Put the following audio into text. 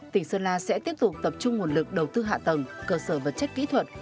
tỉnh sơn la sẽ tiếp tục tập trung nguồn lực đầu tư hạ tầng cơ sở vật chất kỹ thuật